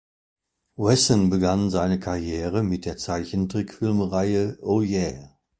Wasson begann seine Karriere mit der Zeichentrickfilm-Reihe "Oh Yeah!